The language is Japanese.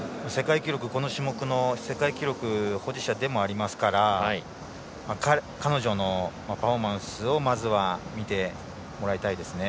この種目の世界記録保持者でもありますから彼女のパフォーマンスをまずは見てもらいたいです。